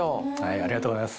ありがとうございます。